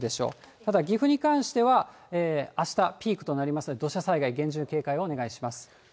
ただ岐阜に関しては、あしたピークとなりますので、土砂災害厳重警戒をお願いします。